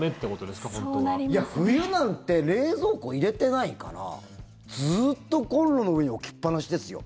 冬なんて冷蔵庫入れてないからずっとコンロの上に置きっぱなしですよ。